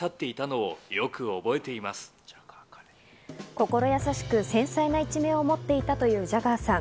心優しく繊細な一面を持っていたというジャガーさん。